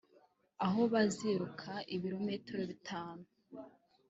aho baziruka ibirometero bitanu